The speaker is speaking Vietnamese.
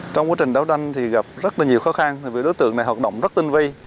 trong quá trình đấu tranh thì gặp rất là nhiều khó khăn vì đối tượng này hoạt động rất tinh vi